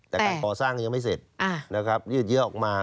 แต่การก่อสร้างยังไม่เสร็จนะครับยืดเยอะออกมา